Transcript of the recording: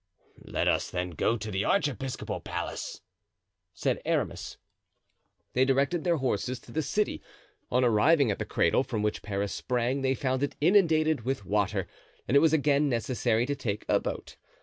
"Let us then go to the archiepiscopal palace," said Aramis. They directed their horses to the city. On arriving at the cradle from which Paris sprang they found it inundated with water, and it was again necessary to take a boat.